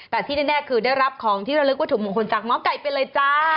แต่ที่แน่คือได้รับของที่เราเรียกว่าถุงหมูคนจากมไก่ไปเลยจ้า